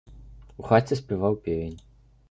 У хаце спяваў певень.